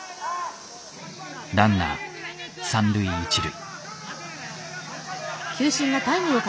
ランナー三塁一塁。